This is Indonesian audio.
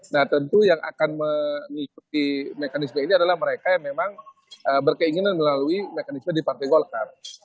nah tentu yang akan mengikuti mekanisme ini adalah mereka yang memang berkeinginan melalui mekanisme di partai golkar